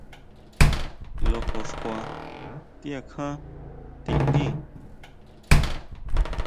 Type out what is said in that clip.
Lojo xkua ti akján tindí.